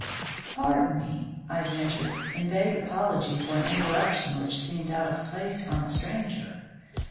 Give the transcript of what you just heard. "Pardon me," I ventured, in vague apology for an interruption which seemed out of place from a stranger.